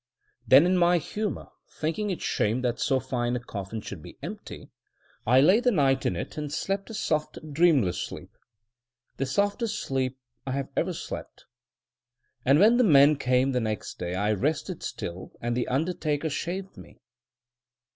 Then, in my humour, thinking it shame that so fine a coffin should be empty I lay the night in it and slept a soft dreamless sleep — the softest sleep I have ever slept. And when the men came the next day I rested still, and the undertaker shaved me.